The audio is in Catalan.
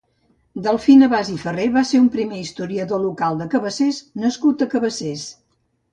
Delfí Navàs i Ferré va ser un primer historiador local de Cabassers nascut a Cabassers.